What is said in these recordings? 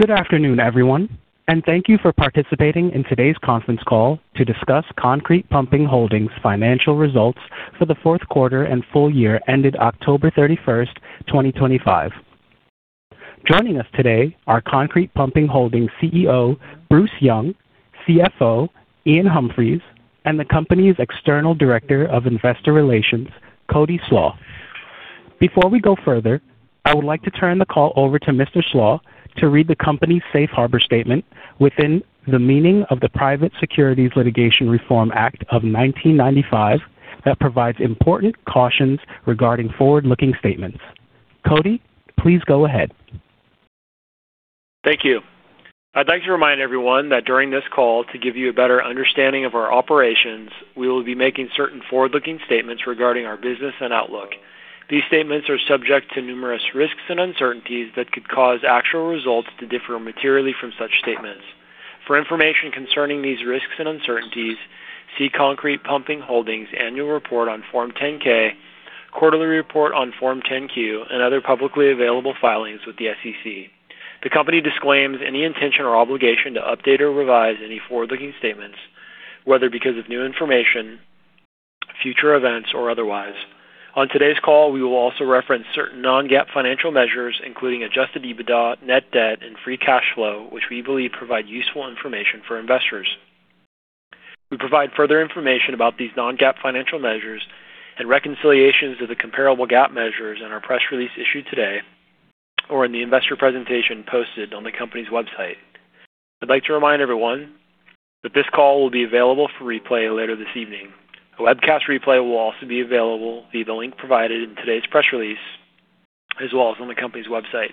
Good afternoon, everyone, and thank you for participating in today's conference call to discuss Concrete Pumping Holdings' financial results for the fourth quarter and full year ended October 31st, 2025. Joining us today are Concrete Pumping Holdings CEO Bruce Young, CFO Iain Humphries, and the company's External Director of Investor Relations, Cody Slach. Before we go further, I would like to turn the call over to Mr. Slach to read the company's safe harbor statement within the meaning of the Private Securities Litigation Reform Act of 1995 that provides important cautions regarding forward-looking statements. Cody, please go ahead. Thank you. I'd like to remind everyone that during this call, to give you a better understanding of our operations, we will be making certain forward-looking statements regarding our business and outlook. These statements are subject to numerous risks and uncertainties that could cause actual results to differ materially from such statements. For information concerning these risks and uncertainties, see Concrete Pumping Holdings' annual report on Form 10-K, quarterly report on Form 10-Q, and other publicly available filings with the SEC. The company disclaims any intention or obligation to update or revise any forward-looking statements, whether because of new information, future events, or otherwise. On today's call, we will also reference certain non-GAAP financial measures, including adjusted EBITDA, net debt, and free cash flow, which we believe provide useful information for investors. We provide further information about these non-GAAP financial measures and reconciliations of the comparable GAAP measures in our press release issued today or in the investor presentation posted on the company's website. I'd like to remind everyone that this call will be available for replay later this evening. A webcast replay will also be available via the link provided in today's press release, as well as on the company's website.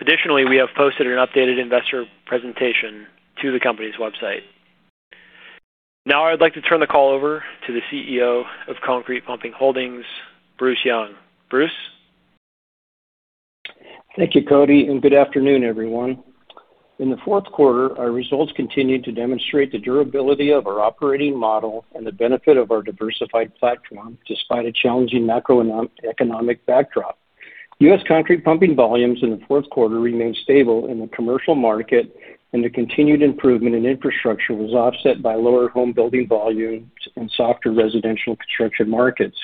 Additionally, we have posted an updated investor presentation to the company's website. Now, I'd like to turn the call over to the CEO of Concrete Pumping Holdings, Bruce Young. Bruce? Thank you, Cody, and good afternoon, everyone. In the fourth quarter, our results continue to demonstrate the durability of our operating model and the benefit of our diversified platform despite a challenging macroeconomic backdrop. U.S. Concrete Pumping volumes in the fourth quarter remained stable in the commercial market, and the continued improvement in infrastructure was offset by lower home building volumes and softer residential construction markets.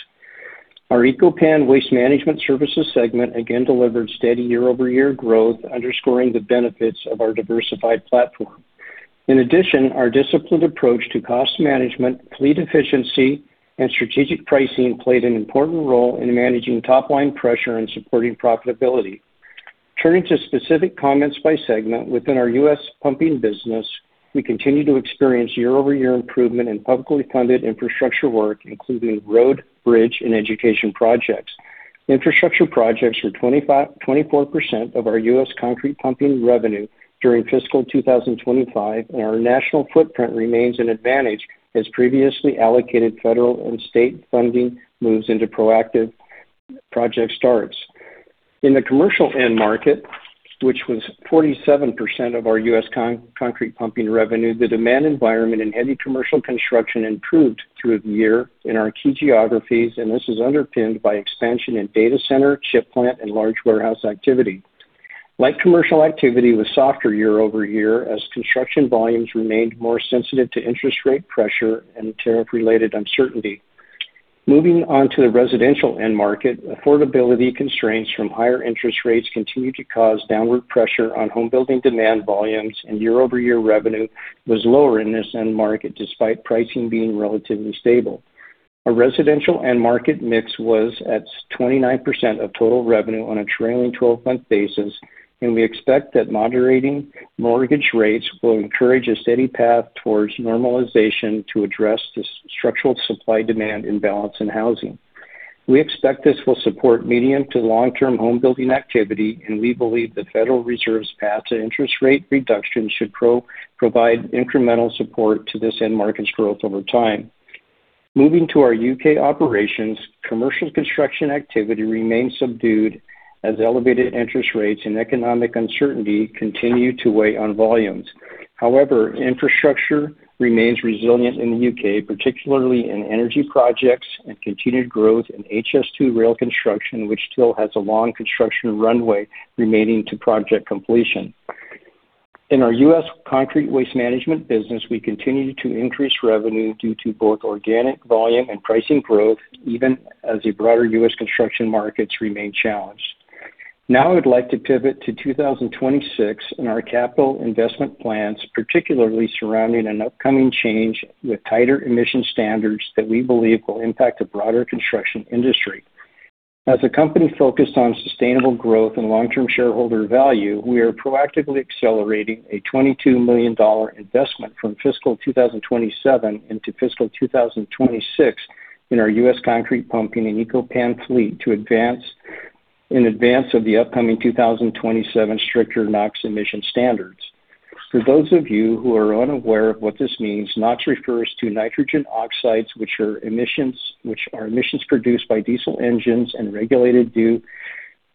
Our Eco-Pan waste management services segment again delivered steady year-over-year growth, underscoring the benefits of our diversified platform. In addition, our disciplined approach to cost management, fleet efficiency, and strategic pricing played an important role in managing top-line pressure and supporting profitability. Turning to specific comments by segment, within our U.S. Pumping business, we continue to experience year-over-year improvement in publicly funded infrastructure work, including road, bridge, and education projects. Infrastructure projects were 24% of our U.S. Concrete Pumping revenue during fiscal 2025, and our national footprint remains an advantage as previously allocated federal and state funding moves into proactive project starts. In the commercial end market, which was 47% of our U.S. Concrete Pumping revenue, the demand environment in heavy commercial construction improved through the year in our key geographies, and this is underpinned by expansion in data center, chip plant, and large warehouse activity. Light commercial activity was softer year-over-year as construction volumes remained more sensitive to interest rate pressure and tariff-related uncertainty. Moving on to the residential end market, affordability constraints from higher interest rates continued to cause downward pressure on home building demand volumes, and year-over-year revenue was lower in this end market despite pricing being relatively stable. Our residential end market mix was at 29% of total revenue on a trailing 12-month basis, and we expect that moderating mortgage rates will encourage a steady path towards normalization to address the structural supply-demand imbalance in housing. We expect this will support medium to long-term home building activity, and we believe the Federal Reserve's path to interest rate reduction should provide incremental support to this end market's growth over time. Moving to our U.K. operations, commercial construction activity remains subdued as elevated interest rates and economic uncertainty continue to weigh on volumes. However, infrastructure remains resilient in the U.K., particularly in energy projects and continued growth in HS2 rail construction, which still has a long construction runway remaining to project completion. In our U.S. Concrete Waste Management business, we continue to increase revenue due to both organic volume and pricing growth, even as the broader U.S. Construction markets remain challenged. Now, I'd like to pivot to 2026 and our capital investment plans, particularly surrounding an upcoming change with tighter emission standards that we believe will impact the broader construction industry. As a company focused on sustainable growth and long-term shareholder value, we are proactively accelerating a $22 million investment from fiscal 2027 into fiscal 2026 in our U.S. Concrete Pumping and Eco-Pan fleet in advance of the upcoming 2027 stricter NOx emission standards. For those of you who are unaware of what this means, NOx refers to nitrogen oxides, which are emissions produced by diesel engines and regulated due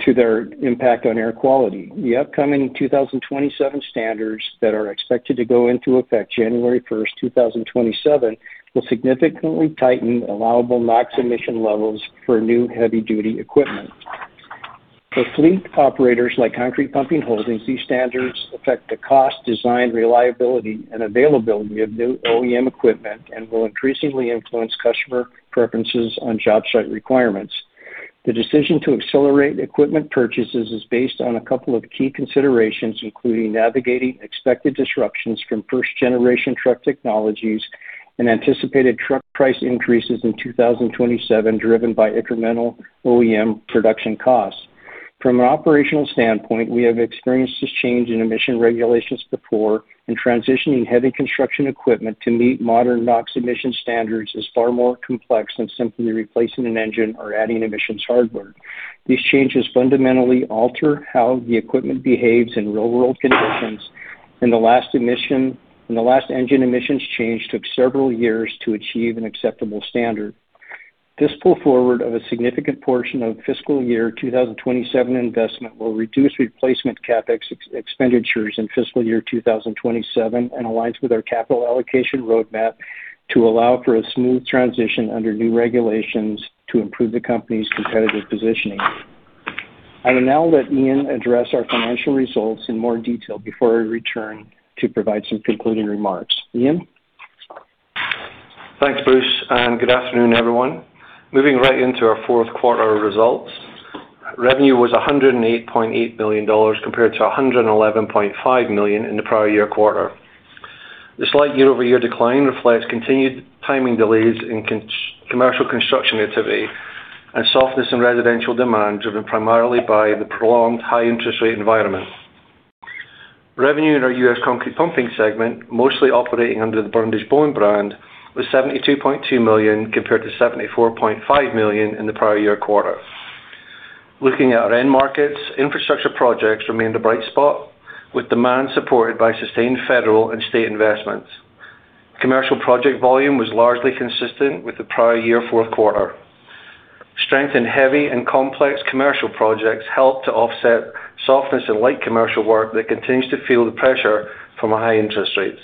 to their impact on air quality. The upcoming 2027 standards that are expected to go into effect January 1st, 2027, will significantly tighten allowable NOx emission levels for new heavy-duty equipment. For fleet operators like Concrete Pumping Holdings, these standards affect the cost, design, reliability, and availability of new OEM equipment and will increasingly influence customer preferences on job site requirements. The decision to accelerate equipment purchases is based on a couple of key considerations, including navigating expected disruptions from first-generation truck technologies and anticipated truck price increases in 2027 driven by incremental OEM production costs. From an operational standpoint, we have experienced this change in emission regulations before, and transitioning heavy construction equipment to meet modern NOx emission standards is far more complex than simply replacing an engine or adding emissions hardware. These changes fundamentally alter how the equipment behaves in real-world conditions, and the last engine emissions change took several years to achieve an acceptable standard. This pull forward of a significant portion of fiscal year 2027 investment will reduce replacement CapEx expenditures in fiscal year 2027 and aligns with our capital allocation roadmap to allow for a smooth transition under new regulations to improve the company's competitive positioning. I will now let Iain address our financial results in more detail before I return to provide some concluding remarks. Iain? Thanks, Bruce, and good afternoon, everyone. Moving right into our fourth quarter results, revenue was $108.8 million compared to $111.5 million in the prior year quarter. This slight year-over-year decline reflects continued timing delays in commercial construction activity and softness in residential demand driven primarily by the prolonged high-interest rate environment. Revenue in our U.S. Concrete Pumping segment, mostly operating under the Brundage-Bone brand, was $72.2 million compared to $74.5 million in the prior year quarter. Looking at our end markets, infrastructure projects remained a bright spot, with demand supported by sustained federal and state investments. Commercial project volume was largely consistent with the prior year fourth quarter. Strength in heavy and complex commercial projects helped to offset softness in light commercial work that continues to feel the pressure from high interest rates.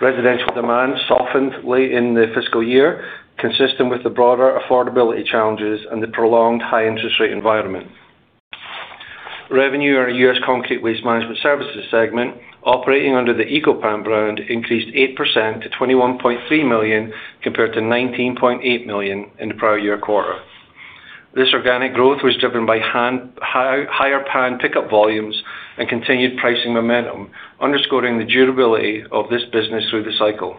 Residential demand softened late in the fiscal year, consistent with the broader affordability challenges and the prolonged high-interest rate environment. Revenue in our U.S. concrete waste management services segment, operating under the Eco-Pan brand, increased 8% to $21.3 million compared to $19.8 million in the prior year quarter. This organic growth was driven by higher pan pickup volumes and continued pricing momentum, underscoring the durability of this business through the cycle.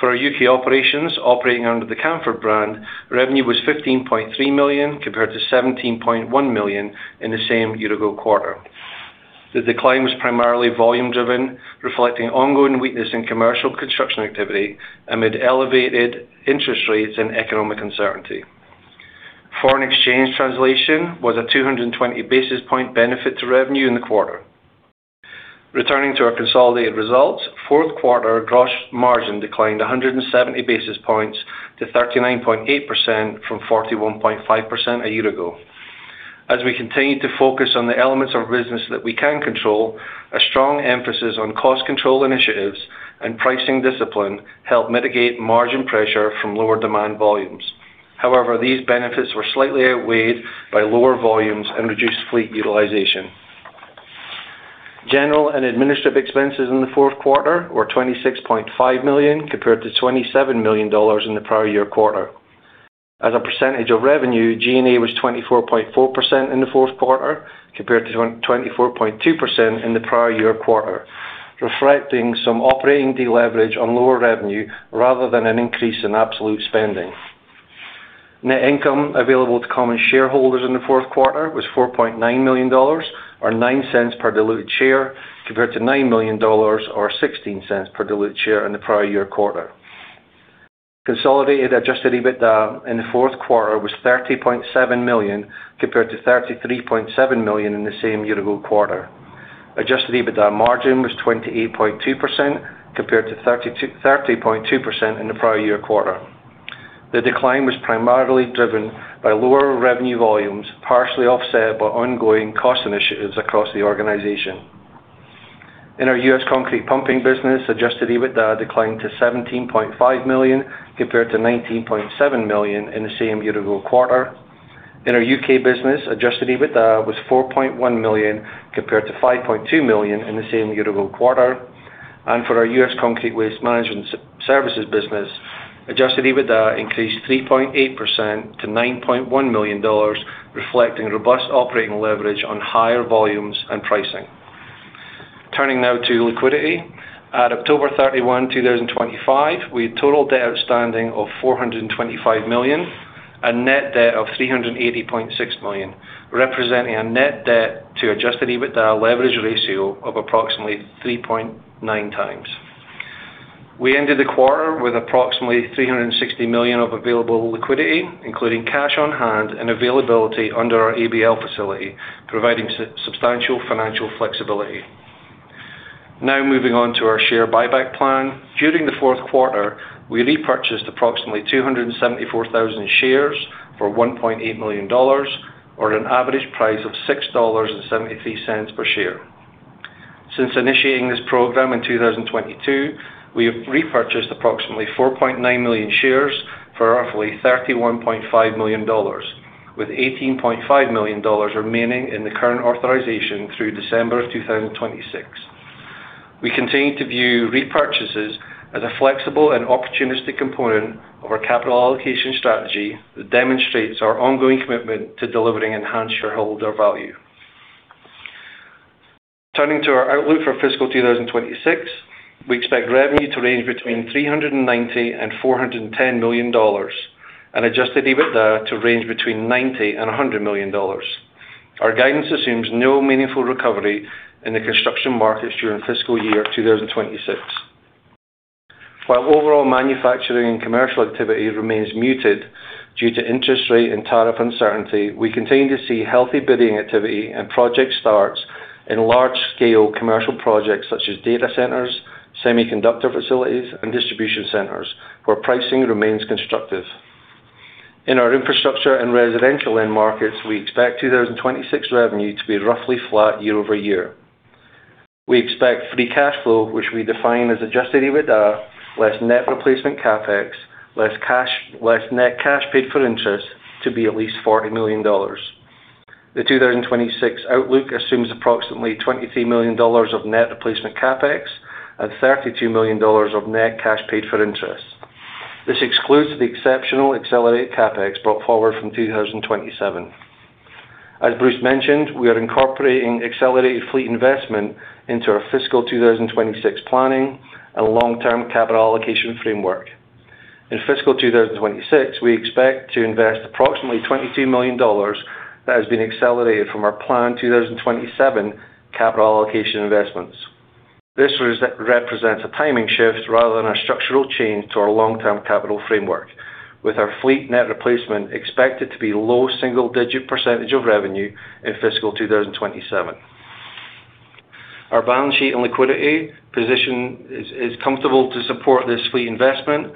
For our U.K. operations, operating under the Camfaud brand, revenue was $15.3 million compared to $17.1 million in the same year-ago quarter. The decline was primarily volume-driven, reflecting ongoing weakness in commercial construction activity amid elevated interest rates and economic uncertainty. Foreign exchange translation was a 220 basis point benefit to revenue in the quarter. Returning to our consolidated results, fourth quarter gross margin declined 170 basis points to 39.8% from 41.5% a year ago. As we continue to focus on the elements of business that we can control, a strong emphasis on cost control initiatives and pricing discipline helped mitigate margin pressure from lower demand volumes. However, these benefits were slightly outweighed by lower volumes and reduced fleet utilization. General and administrative expenses in the fourth quarter were $26.5 million compared to $27 million in the prior year quarter. As a percentage of revenue, G&A was 24.4% in the fourth quarter compared to 24.2% in the prior year quarter, reflecting some operating deleverage on lower revenue rather than an increase in absolute spending. Net income available to common shareholders in the fourth quarter was $4.9 million or $0.09 per diluted share compared to $9 million or $0.16 per diluted share in the prior year quarter. Consolidated adjusted EBITDA in the fourth quarter was $30.7 million compared to $33.7 million in the same year-ago quarter. adjusted EBITDA margin was 28.2% compared to 30.2% in the prior year quarter. The decline was primarily driven by lower revenue volumes, partially offset by ongoing cost initiatives across the organization. In our U.S. Concrete Pumping business, adjusted EBITDA declined to $17.5 million compared to $19.7 million in the same year-ago quarter. In our U.K. business, adjusted EBITDA was $4.1 million compared to $5.2 million in the same year-ago quarter. And for our U.S. Concrete Waste Management Services business, adjusted EBITDA increased 3.8% to $9.1 million, reflecting robust operating leverage on higher volumes and pricing. Turning now to liquidity, at October 31, 2025, we had total debt outstanding of $425 million and net debt of $380.6 million, representing a net debt to adjusted EBITDA leverage ratio of approximately 3.9x. We ended the quarter with approximately $360 million of available liquidity, including cash on hand and availability under our ABL facility, providing substantial financial flexibility. Now, moving on to our share buyback plan, during the fourth quarter, we repurchased approximately 274,000 shares for $1.8 million, or an average price of $6.73 per share. Since initiating this program in 2022, we have repurchased approximately 4.9 million shares for roughly $31.5 million, with $18.5 million remaining in the current authorization through December 2026. We continue to view repurchases as a flexible and opportunistic component of our capital allocation strategy that demonstrates our ongoing commitment to delivering enhanced shareholder value. Turning to our outlook for fiscal 2026, we expect revenue to range between $390-$410 million and adjusted EBITDA to range between $90-$100 million. Our guidance assumes no meaningful recovery in the construction markets during fiscal year 2026. While overall manufacturing and commercial activity remains muted due to interest rate and tariff uncertainty, we continue to see healthy bidding activity and project starts in large-scale commercial projects such as data centers, semiconductor facilities, and distribution centers, where pricing remains constructive. In our infrastructure and residential end markets, we expect 2026 revenue to be roughly flat year-over-year. We expect free cash flow, which we define as adjusted EBITDA, less net replacement CapEx, less net cash paid for interest, to be at least $40 million. The 2026 outlook assumes approximately $23 million of net replacement CapEx and $32 million of net cash paid for interest. This excludes the exceptional accelerated CapEx brought forward from 2027. As Bruce mentioned, we are incorporating accelerated fleet investment into our fiscal 2026 planning and long-term capital allocation framework. In fiscal 2026, we expect to invest approximately $22 million that has been accelerated from our planned 2027 capital allocation investments. This represents a timing shift rather than a structural change to our long-term capital framework, with our fleet net replacement expected to be a low single-digit percentage of revenue in fiscal 2027. Our balance sheet and liquidity position is comfortable to support this fleet investment,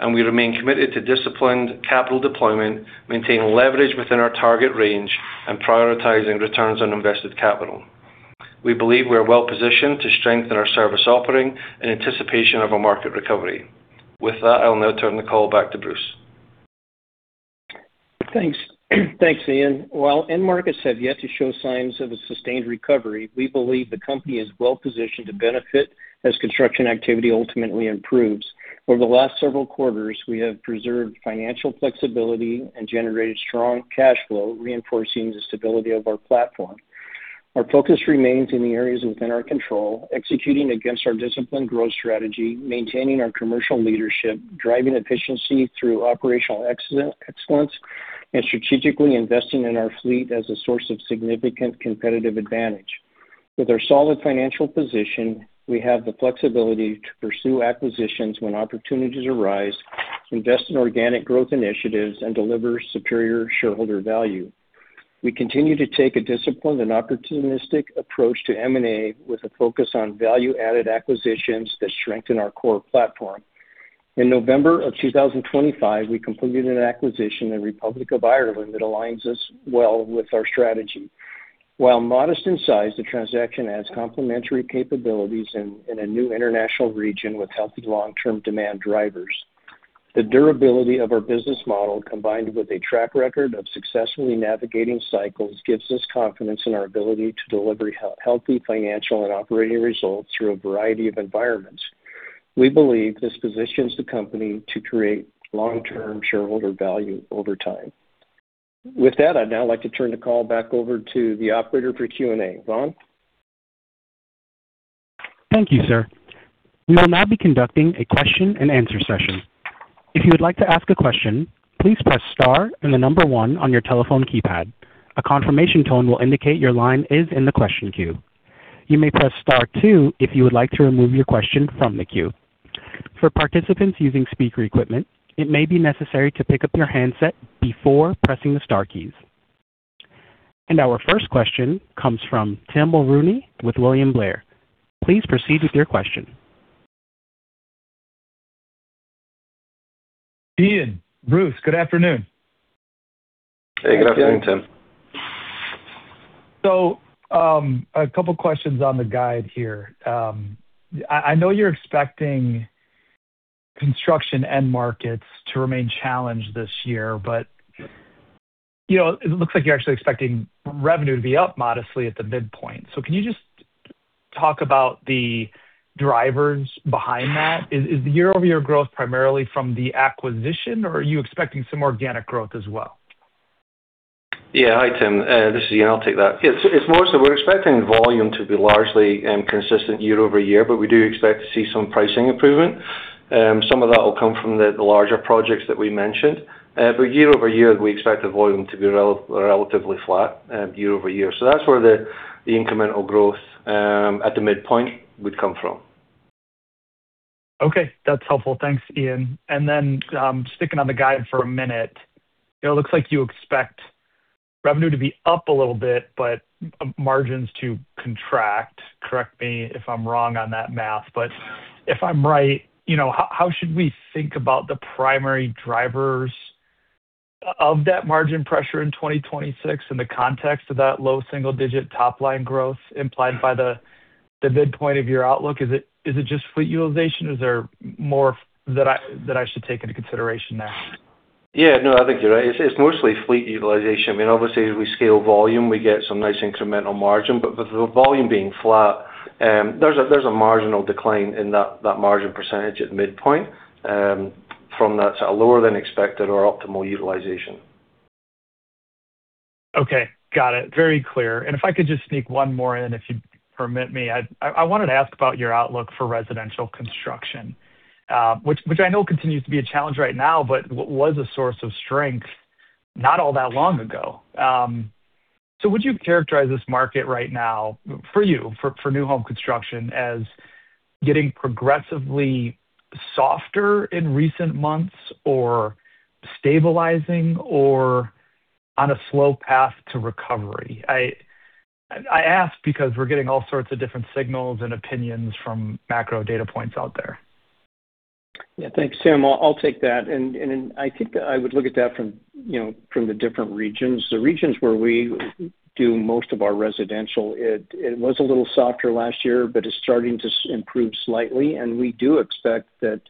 and we remain committed to disciplined capital deployment, maintaining leverage within our target range, and prioritizing returns on invested capital. We believe we are well positioned to strengthen our service offering in anticipation of a market recovery. With that, I'll now turn the call back to Bruce. Thanks. Thanks, Iain. While end markets have yet to show signs of a sustained recovery, we believe the company is well positioned to benefit as construction activity ultimately improves. Over the last several quarters, we have preserved financial flexibility and generated strong cash flow, reinforcing the stability of our platform. Our focus remains in the areas within our control, executing against our disciplined growth strategy, maintaining our commercial leadership, driving efficiency through operational excellence, and strategically investing in our fleet as a source of significant competitive advantage. With our solid financial position, we have the flexibility to pursue acquisitions when opportunities arise, invest in organic growth initiatives, and deliver superior shareholder value. We continue to take a disciplined and opportunistic approach to M&A with a focus on value-added acquisitions that strengthen our core platform. In November of 2025, we completed an acquisition in the Republic of Ireland that aligns us well with our strategy. While modest in size, the transaction adds complementary capabilities in a new international region with healthy long-term demand drivers. The durability of our business model, combined with a track record of successfully navigating cycles, gives us confidence in our ability to deliver healthy financial and operating results through a variety of environments. We believe this positions the company to create long-term shareholder value over time. With that, I'd now like to turn the call back over to the operator for Q&A. Vaughn? Thank you, sir. We will now be conducting a question-and-answer session. If you would like to ask a question, please press star and the number one on your telephone keypad. A confirmation tone will indicate your line is in the question queue. You may press star two if you would like to remove your question from the queue. For participants using speaker equipment, it may be necessary to pick up your handset before pressing the star keys. And our first question comes from Tim Mulrooney with William Blair. Please proceed with your question. Iain, Bruce, good afternoon. Hey, good afternoon, Tim. So, a couple of questions on the guide here. I know you're expecting construction end markets to remain challenged this year, but it looks like you're actually expecting revenue to be up modestly at the midpoint. So can you just talk about the drivers behind that? Is the year-over-year growth primarily from the acquisition, or are you expecting some organic growth as well? Yeah, hi, Tim. This is Iain. I'll take that. Yeah, it's more so we're expecting volume to be largely consistent year-over-year, but we do expect to see some pricing improvement. Some of that will come from the larger projects that we mentioned. But year-over-year, we expect the volume to be relatively flat year-over-year. So that's where the incremental growth at the midpoint would come from. Okay, that's helpful. Thanks, Iain. And then sticking on the guide for a minute, it looks like you expect revenue to be up a little bit, but margins to contract. Correct me if I'm wrong on that math, but if I'm right, how should we think about the primary drivers of that margin pressure in 2026 in the context of that low single-digit top-line growth implied by the midpoint of your outlook? Is it just fleet utilization? Is there more that I should take into consideration there? Yeah, no, I think you're right. It's mostly fleet utilization. I mean, obviously, as we scale volume, we get some nice incremental margin. But with the volume being flat, there's a marginal decline in that margin percentage at the midpoint from that sort of lower-than-expected or optimal utilization. Okay, got it. Very clear. And if I could just sneak one more in, if you permit me, I wanted to ask about your outlook for residential construction, which I know continues to be a challenge right now, but was a source of strength not all that long ago. So would you characterize this market right now, for you, for new home construction, as getting progressively softer in recent months or stabilizing or on a slow path to recovery? I ask because we're getting all sorts of different signals and opinions from macro data points out there. Yeah, thanks, Tim. I'll take that, and I think I would look at that from the different regions. The regions where we do most of our residential, it was a little softer last year, but it's starting to improve slightly, and we do expect that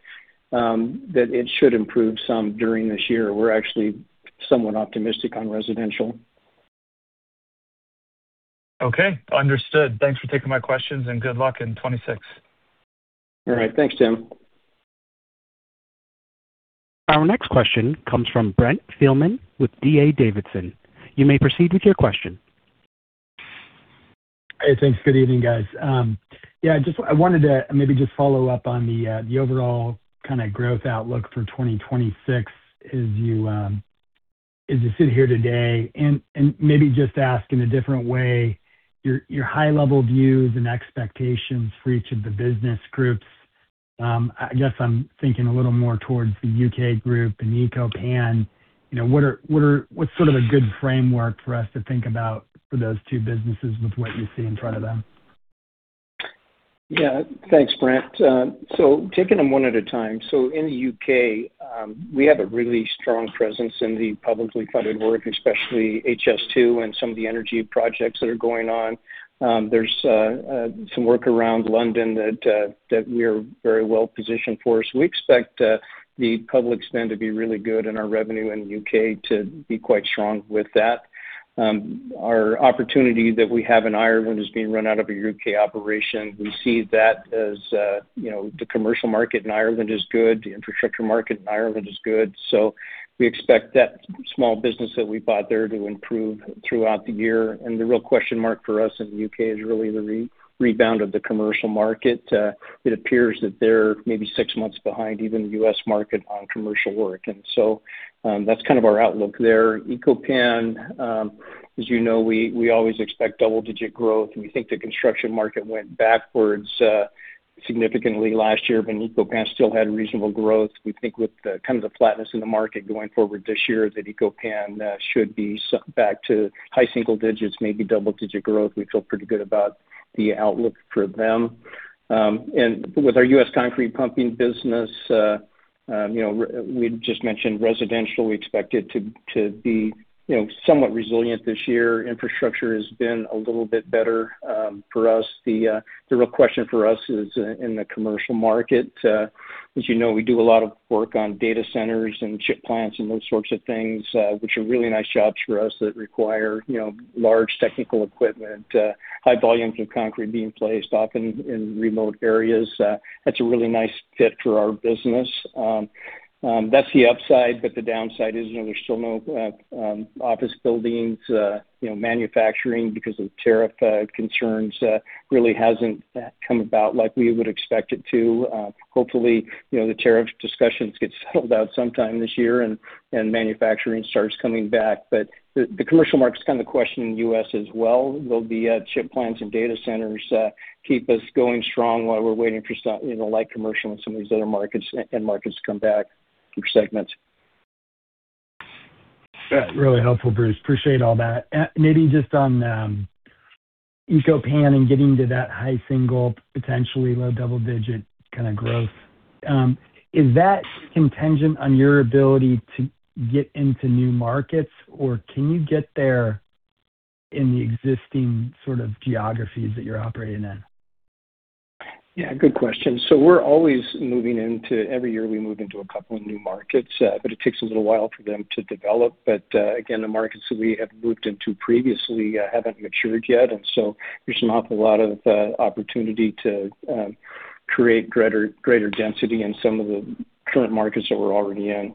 it should improve some during this year. We're actually somewhat optimistic on residential. Okay, understood. Thanks for taking my questions and good luck in 2026. All right, thanks, Tim. Our next question comes from Brent Thielman with D.A. Davidson. You may proceed with your question. Hey, thanks. Good evening, guys. Yeah, I wanted to maybe just follow-up on the overall kind of growth outlook for 2026 as you sit here today and maybe just ask in a different way your high-level views and expectations for each of the business groups. I guess I'm thinking a little more towards the U.K. group and Eco-Pan. What's sort of a good framework for us to think about for those two businesses with what you see in front of them? Yeah, thanks, Brent. So taking them one at a time, so in the U.K., we have a really strong presence in the publicly funded work, especially HS2 and some of the energy projects that are going on. There's some work around London that we are very well positioned for. So we expect the public spend to be really good and our revenue in the U.K. to be quite strong with that. Our opportunity that we have in Ireland is being run out of a U.K. operation. We see that as the commercial market in Ireland is good, the infrastructure market in Ireland is good. So we expect that small business that we bought there to improve throughout the year. And the real question mark for us in the U.K. is really the rebound of the commercial market. It appears that they're maybe six months behind even the U.S. market on commercial work. And so that's kind of our outlook there. Eco-Pan, as you know, we always expect double-digit growth. We think the construction market went backwards significantly last year, but Eco-Pan still had reasonable growth. We think with kind of the flatness in the market going forward this year that Eco-Pan should be back to high single digits, maybe double-digit growth. We feel pretty good about the outlook for them. And with our U.S. Concrete Pumping business, we just mentioned residential, we expect it to be somewhat resilient this year. Infrastructure has been a little bit better for us. The real question for us is in the commercial market. As you know, we do a lot of work on data centers and chip plants and those sorts of things, which are really nice jobs for us that require large technical equipment, high volumes of concrete being placed often in remote areas. That's a really nice fit for our business. That's the upside, but the downside is there's still no office buildings. Manufacturing, because of tariff concerns, really hasn't come about like we would expect it to. Hopefully, the tariff discussions get settled out sometime this year and manufacturing starts coming back. But the commercial market's kind of the question in the U.S. as well. Will the chip plants and data centers keep us going strong while we're waiting for light commercial in some of these other markets and markets to come back for segments? Really helpful, Bruce. Appreciate all that. Maybe just on Eco-Pan and getting to that high single, potentially low double-digit kind of growth, is that contingent on your ability to get into new markets, or can you get there in the existing sort of geographies that you're operating in? Yeah, good question. So we're always moving into every year we move into a couple of new markets, but it takes a little while for them to develop. But again, the markets that we have moved into previously haven't matured yet. And so there's an awful lot of opportunity to create greater density in some of the current markets that we're already in.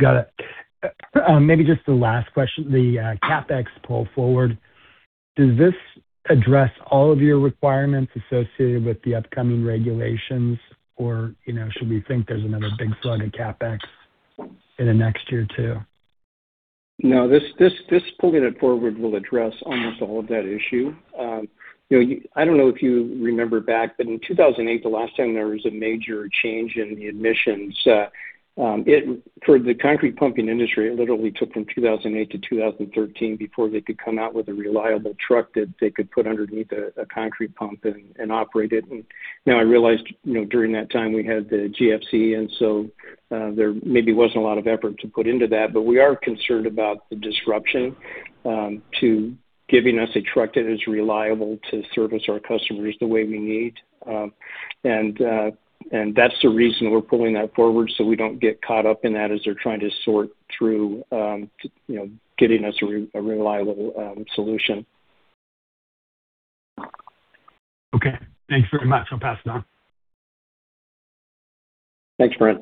Got it. Maybe just the last question, the CapEx pull forward. Does this address all of your requirements associated with the upcoming regulations, or should we think there's another big slug of CapEx in the next year or two? No, this pulling it forward will address almost all of that issue. I don't know if you remember back, but in 2008, the last time there was a major change in the emissions, for the concrete pumping industry, it literally took from 2008 to 2013 before they could come out with a reliable truck that they could put underneath a concrete pump and operate it. And now I realized during that time we had the GFC, and so there maybe wasn't a lot of effort to put into that. But we are concerned about the disruption to giving us a truck that is reliable to service our customers the way we need. And that's the reason we're pulling that forward so we don't get caught up in that as they're trying to sort through getting us a reliable solution. Okay, thanks very much. I'll pass it on. Thanks, Brent.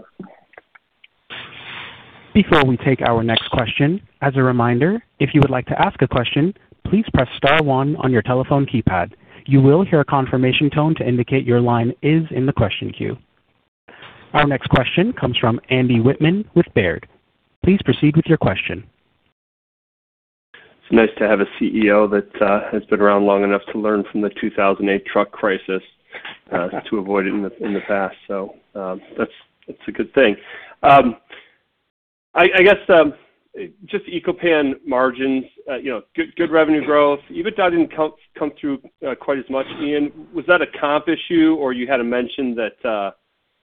Before we take our next question, as a reminder, if you would like to ask a question, please press star one on your telephone keypad. You will hear a confirmation tone to indicate your line is in the question queue. Our next question comes from Andy Wittmann with Baird. Please proceed with your question. It's nice to have a CEO that has been around long enough to learn from the 2008 truck crisis to avoid it in the past. So that's a good thing. I guess just Eco-Pan margins, good revenue growth. You've been talking come through quite as much, Iain. Was that a comp issue or you had a mention that,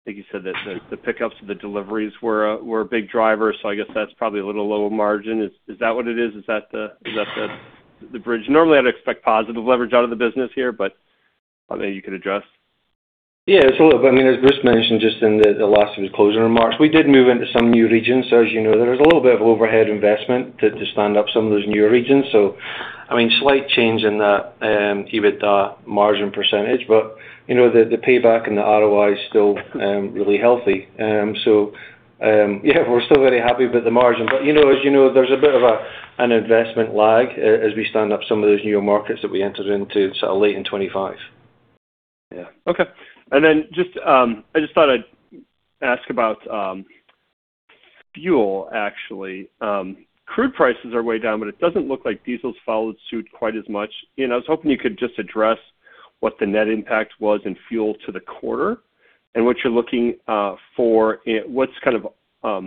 like you said, that the pickups of the deliveries were a big driver? So I guess that's probably a little lower margin. Is that what it is? Is that the bridge? Normally, I'd expect positive leverage out of the business here, but maybe you could address? Yeah, it's a little bit. I mean, as Bruce mentioned just in the last of his closing remarks, we did move into some new regions. So as you know, there was a little bit of overhead investment to stand up some of those new regions. So I mean, slight change in the EBITDA margin percentage, but the payback and the ROI is still really healthy. So yeah, we're still very happy with the margin. But as you know, there's a bit of an investment lag as we stand up some of those new markets that we entered into sort of late in 2025. Yeah. Okay. And then I just thought I'd ask about fuel, actually. Crude prices are way down, but it doesn't look like diesel has followed suit quite as much. I was hoping you could just address what the net impact was in fuel to the quarter and what you're looking for, what's kind of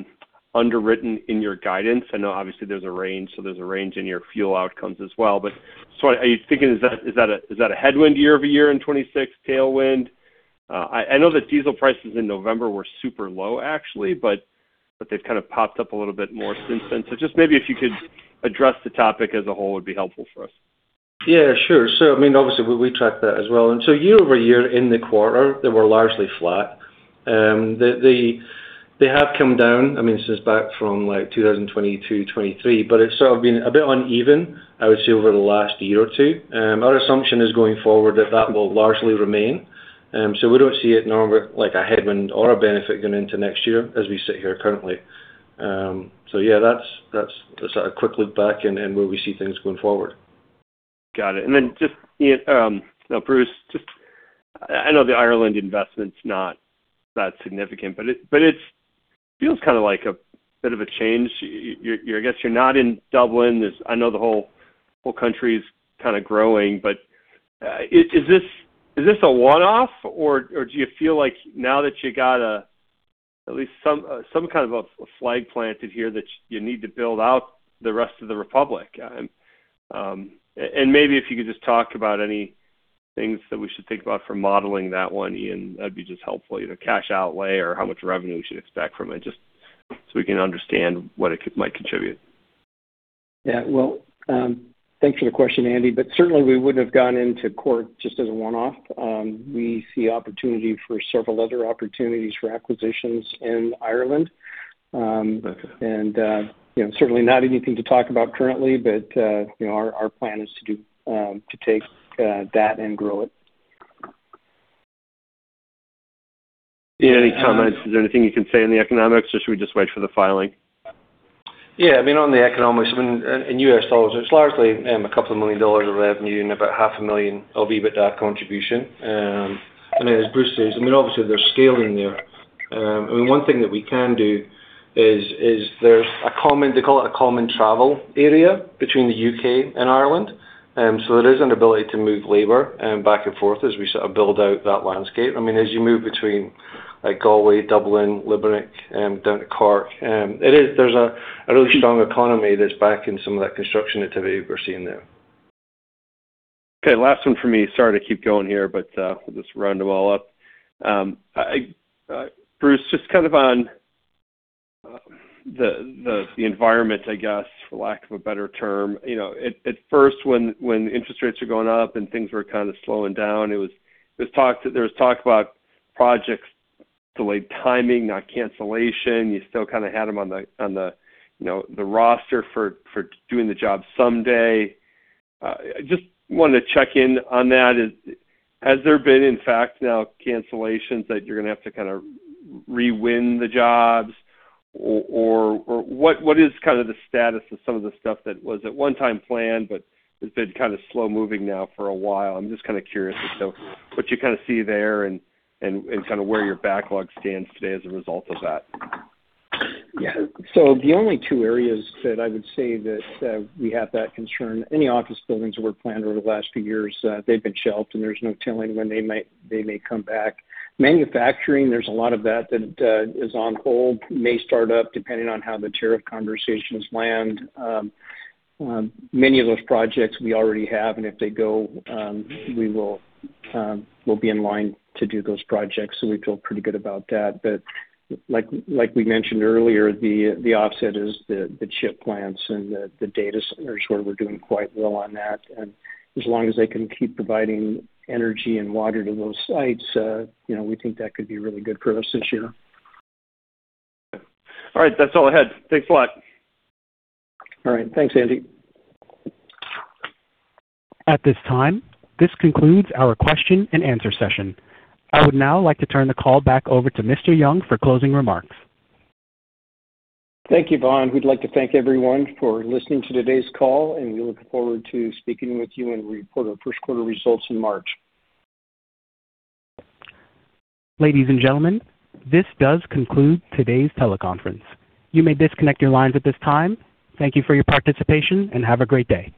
underwritten in your guidance. I know obviously there's a range, so there's a range in your fuel outcomes as well. But so are you thinking is that a headwind year-over-year in 2026, tailwind? I know that diesel prices in November were super low, actually, but they've kind of popped up a little bit more since then. So just maybe if you could address the topic as a whole would be helpful for us. Yeah, sure. So I mean, obviously, we track that as well. And so year over year in the quarter, they were largely flat. They have come down, I mean, since back from like 2022, 2023, but it's sort of been a bit uneven, I would say, over the last year or two. Our assumption is going forward that that will largely remain. So we don't see it normally like a headwind or a benefit going into next year as we sit here currently. So yeah, that's a quick look back and where we see things going forward. Got it. And then just, Bruce, I know the Ireland investment's not that significant, but it feels kind of like a bit of a change. I guess you're not in Dublin. I know the whole country is kind of growing, but is this a one-off, or do you feel like now that you got at least some kind of a flag planted here that you need to build out the rest of the Republic? And maybe if you could just talk about any things that we should think about for modeling that one, Iain, that'd be just helpful. Cash outlay or how much revenue we should expect from it just so we can understand what it might contribute. Yeah, well, thanks for the question, Andy. But certainly, we wouldn't have gone into Cork just as a one-off. We see opportunity for several other opportunities for acquisitions in Ireland. And certainly not anything to talk about currently, but our plan is to take that and grow it. Yeah, any comments? Is there anything you can say in the economics, or should we just wait for the filing? Yeah, I mean, on the economics, I mean, in U.S. dollars, it's largely $2 million of revenue and about $500,000 of EBITDA contribution. I mean, as Bruce says, I mean, obviously, there's scaling there. I mean, one thing that we can do is there's a common, they call it a Common Travel Area between the U.K. and Ireland. So there is an ability to move labor back and forth as we sort of build out that landscape. I mean, as you move between Galway, Dublin, Limerick, down to Cork, there's a really strong economy that's back in some of that construction activity we're seeing there. Okay, last one for me. Sorry to keep going here, but we'll just round them all up. Bruce, just kind of on the environment, I guess, for lack of a better term. At first, when interest rates were going up and things were kind of slowing down, there was talk about projects delayed timing, not cancellation. You still kind of had them on the roster for doing the job someday. Just wanted to check in on that. Has there been, in fact, now cancellations that you're going to have to kind of re-win the jobs? Or what is kind of the status of some of the stuff that was at one time planned but has been kind of slow-moving now for a while? I'm just kind of curious as to what you kind of see there and kind of where your backlog stands today as a result of that. Yeah. So the only two areas that I would say that we have that concern, any office buildings that were planned over the last few years, they've been shelved, and there's no timeline when they may come back. Manufacturing, there's a lot of that that is on hold, may start up depending on how the tariff conversations land. Many of those projects we already have, and if they go, we'll be in line to do those projects. So we feel pretty good about that. But like we mentioned earlier, the offset is the chip plants and the data centers where we're doing quite well on that. And as long as they can keep providing energy and water to those sites, we think that could be really good for us this year. Okay. All right. That's all I had. Thanks a lot. All right. Thanks, Andy. At this time, this concludes our question and answer session. I would now like to turn the call back over to Mr. Young for closing remarks. Thank you, Vaughn. We'd like to thank everyone for listening to today's call, and we look forward to speaking with you when we report our first quarter results in March. Ladies and gentlemen, this does conclude today's teleconference. You may disconnect your lines at this time. Thank you for your participation and have a great day.